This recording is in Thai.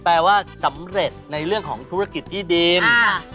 แปลว่าสำเร็จในเรื่องของธุรกิจที่ดิน